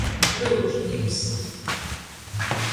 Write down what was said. Ryugušnīks.